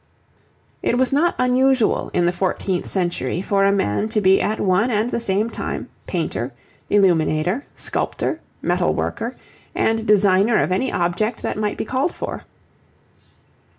It was not unusual in the fourteenth century for a man to be at one and the same time painter, illuminator, sculptor, metal worker, and designer of any object that might be called for.